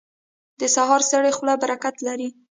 • د سهار ستړې خوله برکت لري.